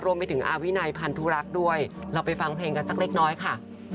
รวมไปถึงอาวินัยพันธุรักษ์ด้วยเราไปฟังเพลงกันสักเล็กน้อยค่ะ